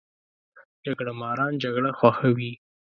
جګړه ماران جګړه خوښوي